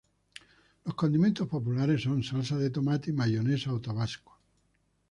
Los condimentos populares son salsa de tomate y mayonesa o tabasco.